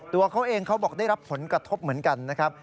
ตัวเขาเองเขาบอกได้รับผลกระทบเหมือนกันนะครับ